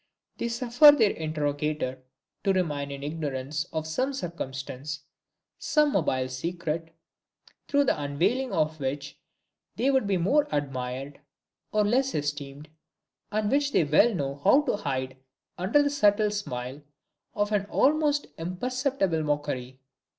They suffer their interrogator to remain in ignorance of some circumstance, some mobile secret, through the unveiling of which they would be more admired, or less esteemed, and which they well know how to hide under the subtle smile of an almost imperceptible mockery.